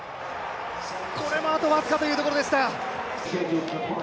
これもあと僅かというところでした。